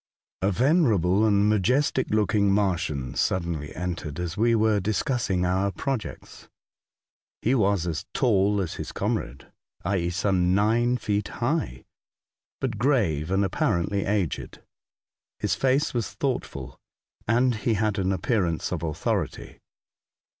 A venerable and majestic looking Martian suddenly entered as we were discussing our projects. He was as tall as his comrade, i.e., some nine feet high, but grave and apparently aged. His face was thoughtful, and he had an appearance of authority.